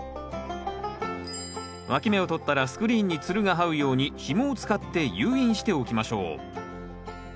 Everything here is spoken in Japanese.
わき芽をとったらスクリーンにつるがはうようにひもを使って誘引しておきましょう。